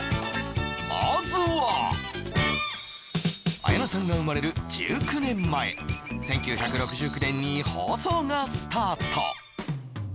まずは綾菜さんが生まれる１９年前１９６９年に放送がスタート